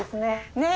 ねえ！